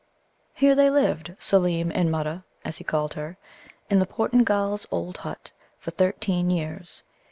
Here they lived, Seelem and Mutta (as he called her), in the Portingal's old hut, for thirteen years.